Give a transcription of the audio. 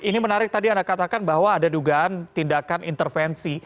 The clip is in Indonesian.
ini menarik tadi anda katakan bahwa ada dugaan tindakan intervensi